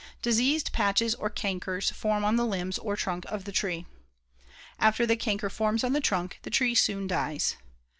Diseased patches or cankers form on the limbs or trunk of the tree. After the canker forms on the trunk, the tree soon dies.